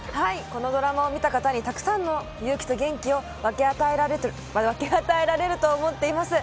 このドラマを見た方にたくさんの勇気と元気を分け与えられると思います。